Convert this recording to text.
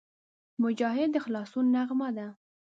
مجاهد د خلاصون نغمه ده.